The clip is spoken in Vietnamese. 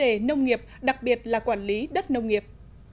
về nâng thuế đối với nhiều mạng nông nghiệp